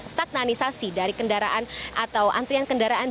stagnanisasi dari kendaraan atau antrian kendaraan